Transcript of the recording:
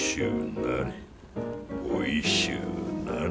おいしゅうなれ。